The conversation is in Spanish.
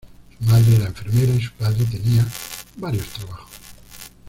Su madre era enfermera y su padre tenía varios trabajos.